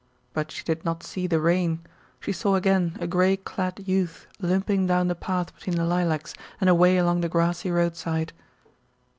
But she did not see the rain; she saw again a gray clad youth limping down the path between the lilacs and away along the grassy roadside.